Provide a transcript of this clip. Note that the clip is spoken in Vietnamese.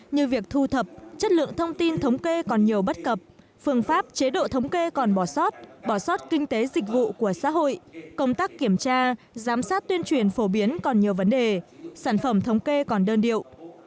như việc thu thập chất lượng thông tin thống kê còn nhiều bất cập phương pháp chế độ thống kê còn bỏ sót bỏ sót kinh tế dịch vụ của xã hội công tác kiểm tra giám sát tuyên truyền phổ biến còn nhiều vấn đề sản phẩm thống kê còn đơn điệu